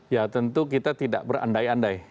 ya tentu kita tidak berandai andai